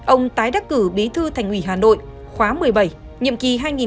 ông tái đắc cử bí thư thành ủy hà nội